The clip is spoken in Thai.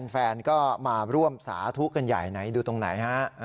แฟนก็มาร่วมสาธุกันใหญ่ไหนดูตรงไหนฮะ